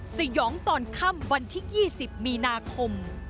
สยองตอนค่ำวันที่๒๐มีนาคม